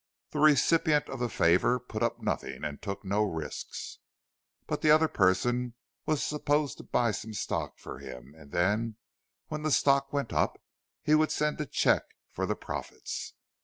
The recipient of the favour put up nothing and took no risks; but the other person was supposed to buy some stock for him, and then, when the stock went up, he would send a cheque for the "profits."